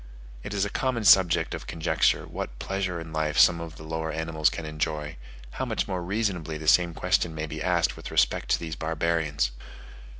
It is a common subject of conjecture what pleasure in life some of the lower animals can enjoy: how much more reasonably the same question may be asked with respect to these barbarians!